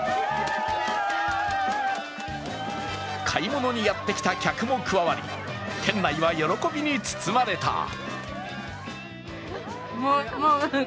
買い物にやってきた客も加わり店内は喜びに包まれた。